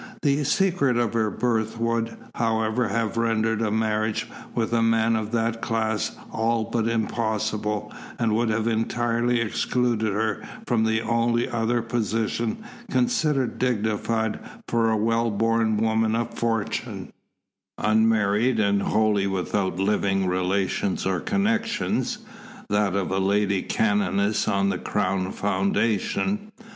The secret of her birth would, however, have rendered a marriage with a man of that class all but impossible, and would have entirely excluded her from the only other position considered dignified for a well born woman of fortune, unmarried and wholly without living relations or connections that of a lady canoness on the Crown foundation.